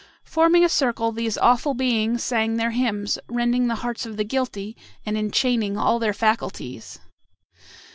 Forming a circle, these awful beings sang their hymns, rending the hearts of the guilty, and enchaining all their faculties.